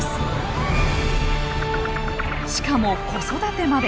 しかも子育てまで。